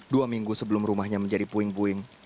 dua minggu sebelum rumahnya menjadi puing puing